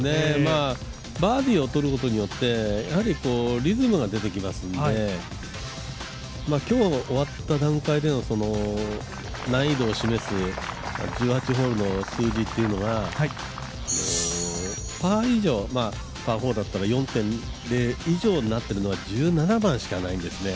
バーディーをとることによって、やはりリズムが出てきますので、今日終わった段階での難易度を示す１８ホールの数字というのがパー以上、パーホールだったら４．０以上になってるのが１７番しかないんですよね。